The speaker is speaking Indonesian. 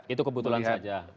itu kebetulan saja